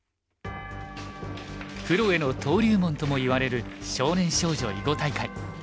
プロへの登竜門ともいわれる少年少女囲碁大会。